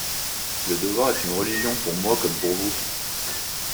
Le devoir est une religion pour moi comme pour vous.